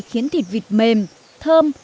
khiến thịt vịt mềm thơm